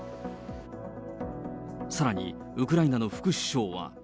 さらにウクライナの副首相は。